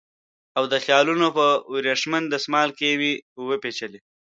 او د خیالونو په وریښمین دسمال کې مې وپېچلې